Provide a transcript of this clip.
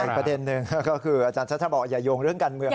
ประเด็นหนึ่งก็คืออาจารย์ชัชชะบอกอย่าโยงเรื่องการเมือง